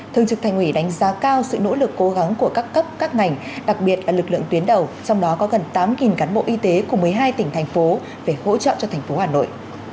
thương trực thành ủy đánh giá cao sự nỗ lực cố gắng của các cấp các ngành đặc biệt là lực lượng tuyến đầu trong đó có gần tám cán bộ y tế của một mươi hai tỉnh thành phố về hỗ trợ cho thành phố hà nội